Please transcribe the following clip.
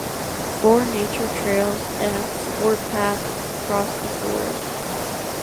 Four nature trails and sport paths cross the Forest.